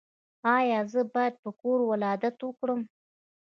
ایا زه باید په کور ولادت وکړم؟